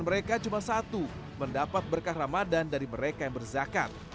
ramadhan dari mereka yang berzakat